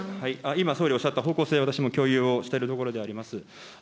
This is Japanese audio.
今、総理おっしゃった方向性、私も共有をしているところであります。